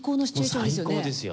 最高ですよ。